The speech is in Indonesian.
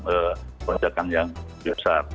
kebajakan yang besar